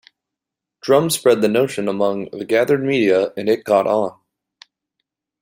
Drum spread the notion among the gathered media and it caught on.